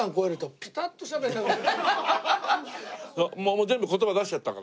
もう全部言葉出しちゃったから。